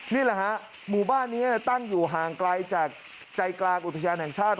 นี่แหละฮะหมู่บ้านนี้ตั้งอยู่ห่างไกลจากใจกลางอุทยานแห่งชาติ